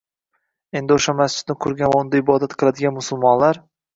Endi o‘sha masjidni qurgan va unda ibodat qiladigan musulmonlar